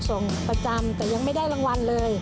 ส่งประจำแต่ยังไม่ได้รางวัลเลย